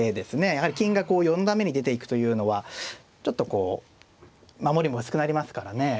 やはり金がこう四段目に出ていくというのはちょっとこう守りも薄くなりますからね。